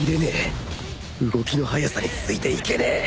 動きの速さについていけねえ